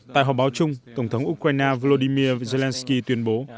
tại họp báo chung tổng thống ukraine vladimir zelensky tuyên bố